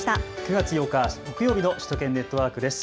９月８日、木曜日の首都圏ネットワークです。